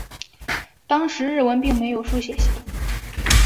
当时日文并没有书写系统。